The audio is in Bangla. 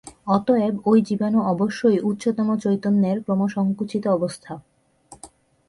অতএব ঐ জীবাণু অবশ্যই উচ্চতম চৈতন্যের ক্রমসঙ্কুচিত অবস্থা।